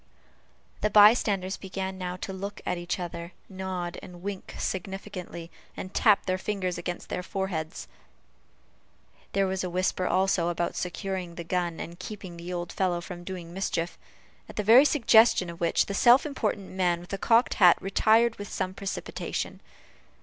The by standers began now to look at each other, nod, wink significantly, and tap their fingers against their foreheads. There was a whisper, also, about securing the gun, and keeping the old fellow from doing mischief; at the very suggestion of which, the self important man with the cocked hat retired with some precipitation.